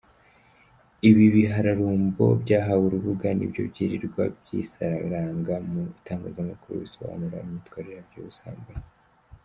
Ibi bihararumbo byahawe urubuga nibyo byirirwa byisararanga mu itangazamakuru bisobanura imyitwarire yabyo y'ubusambanyi.